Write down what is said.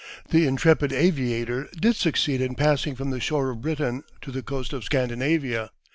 The intrepid aviator did succeed in passing from the shore of Britain to the coast of Scandinavia.